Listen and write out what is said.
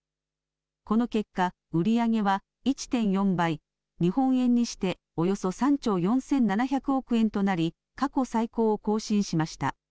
この結果、売り上げは１．４倍日本円にしておよそ３兆４７００億円となり過去最高を更新しました。